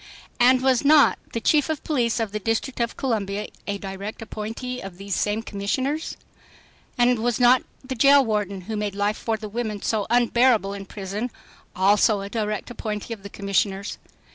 And was not the Chief of Police of the District of Columbia a direct appointee of these same commissioners? And was not the jail warden who made life for the women so unbearable in prison also a direct appointee of the commissioners?